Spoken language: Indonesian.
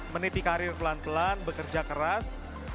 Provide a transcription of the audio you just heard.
meniti karir pelan pelan bekerja keras